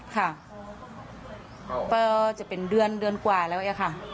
ค่ะก็จะเป็นเดือนเดือนกว่าแล้วอะค่ะ